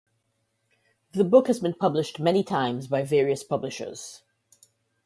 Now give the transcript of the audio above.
The book has been published many times by various publishers.